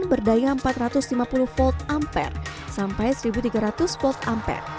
berdaya empat ratus lima puluh volt ampere sampai satu tiga ratus volt ampere